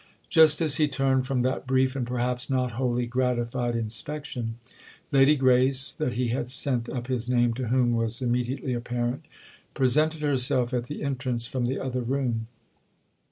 Just as he turned from that brief and perhaps not wholly gratified inspection Lady Grace—that he had sent up his name to whom was immediately apparent—presented herself at the entrance from the other room.